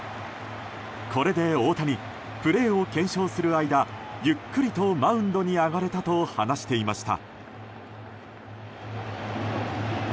これで大谷、プレーを検証する間ゆっくりとマウンドに上がれたと話していました。